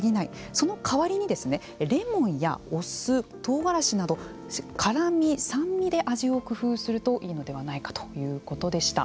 そのかわりですねレモンやお酢とうがらしなど辛味、酸味で味を工夫するといいのではないかということでした。